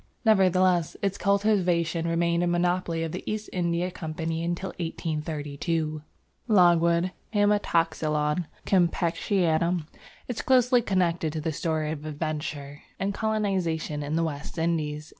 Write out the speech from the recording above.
Nevertheless its cultivation remained a monopoly of the East India Company until 1832. Logwood (Haematoxylon campechianum) is closely connected with the story of adventure and colonisation in the West Indies.